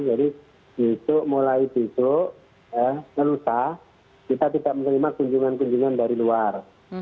jadi ditutup mulai ditutup menutup kita tidak menerima kunjungan kunjungan dari luar